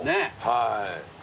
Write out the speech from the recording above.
はい。